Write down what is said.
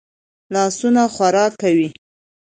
لاسونه خوراک کوي